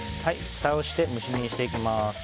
ふたをして蒸し炒めにしていきます。